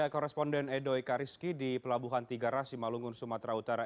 ada koresponden edo ikariski di pelabuhan tiga rasimah lungun sumatera utara